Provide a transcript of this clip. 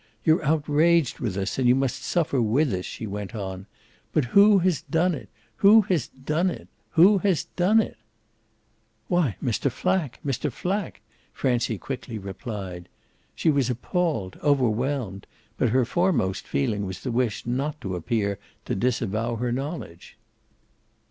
"You're outraged with us and you must suffer with us," she went on. "But who has done it? Who has done it? Who has done it?" "Why Mr. Flack Mr. Flack!" Francie quickly replied. She was appalled, overwhelmed; but her foremost feeling was the wish not to appear to disavow her knowledge.